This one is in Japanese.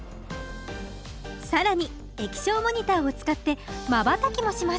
更に液晶モニターを使ってまばたきもします。